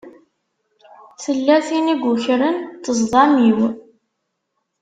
Tella tin i yukren ṭṭezḍam-iw.